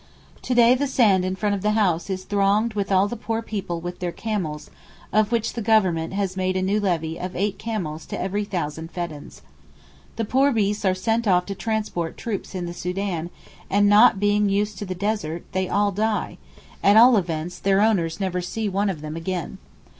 To day the sand in front of the house is thronged with all the poor people with their camels, of which the Government has made a new levy of eight camels to every thousand feddans. The poor beasts are sent off to transport troops in the Soudan, and not being used to the desert, they all die—at all events their owners never see one of them again.